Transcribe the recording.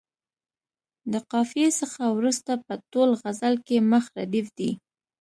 د قافیې څخه وروسته په ټول غزل کې مخ ردیف دی.